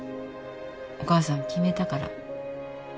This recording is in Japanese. お母さん決めたから。